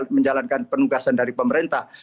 menjalankan penugasan dari pemerintah